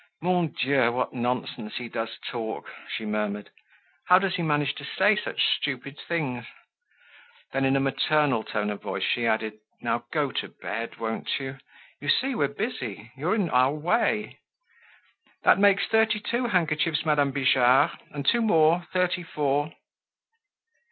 "Mon Dieu! What nonsense he does talk," she murmured. "How does he manage to say such stupid things?" Then in a maternal tone of voice she added, "Now go to bed, won't you? You see we're busy; you're in our way. That makes thirty two handkerchiefs, Madame Bijard; and two more, thirty four."